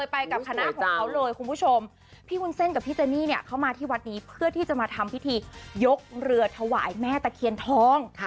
ไปกับคณะของเขาเลยคุณผู้ชมพี่วุ้นเส้นกับพี่เจนี่เนี่ยเขามาที่วัดนี้เพื่อที่จะมาทำพิธียกเรือถวายแม่ตะเคียนทอง